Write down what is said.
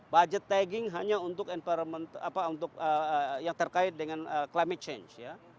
budget tagging hanya untuk environment untuk yang terkait dengan climate change ya